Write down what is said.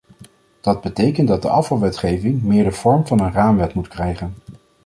Dat betekent dat de afvalwetgeving meer de vorm van een raamwet moet krijgen.